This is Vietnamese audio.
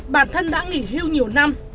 bản thân đã nghỉ hưu nhiều năm